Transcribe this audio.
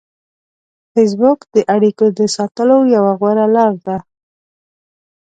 فېسبوک د اړیکو د ساتلو یوه غوره لار ده